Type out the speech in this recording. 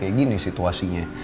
kayak gini situasinya